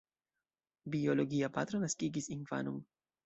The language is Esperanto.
Biologia patro naskigis infanon.